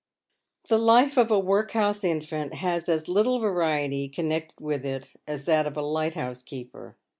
The life of a workhouse infant has as little variety connected with it as that of a lighthouse keeper.